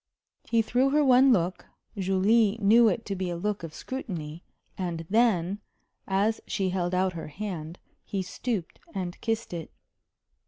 He threw her one look Julie knew it to be a look of scrutiny and then, as she held out her hand, he stooped and kissed it.